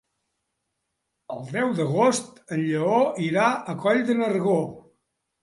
El deu d'agost en Lleó irà a Coll de Nargó.